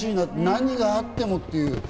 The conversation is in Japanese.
何があってもっていう。